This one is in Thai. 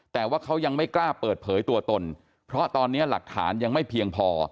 แต่ว่าเขายังไม่กล้าเปิดเผยตัวตนเพราะตอนนี้หลักฐานยังไม่เพียงพอ